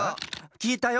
きえたよ。